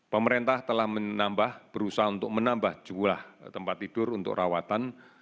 pemerintah telah menambah berusaha untuk menambah jumlah tempat tidur untuk rawatan